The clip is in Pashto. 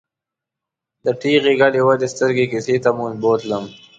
د ټېغې ګډې ودې سترګې کیسې ته مې بوتلم.